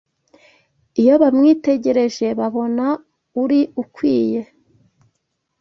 Iyo bamwitegereje babona uri ukwiye